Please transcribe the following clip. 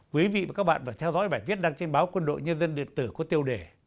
quý vị và các bạn vừa theo dõi bài viết đăng trên báo quân đội nhân dân điện tử của tiêu đề